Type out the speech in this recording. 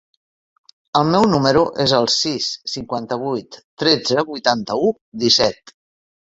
El meu número es el sis, cinquanta-vuit, tretze, vuitanta-u, disset.